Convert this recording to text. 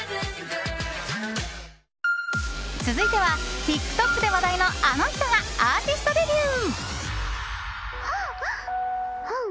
続いてはＴｉｋＴｏｋで話題のあの人がアーティストデビュー。